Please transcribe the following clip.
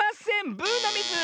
ブーのミズ！